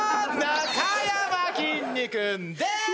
なかやまきんに君です！